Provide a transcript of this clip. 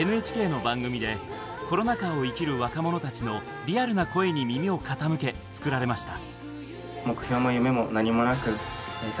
ＮＨＫの番組でコロナ禍を生きる若者たちのリアルな声に耳を傾け作られました。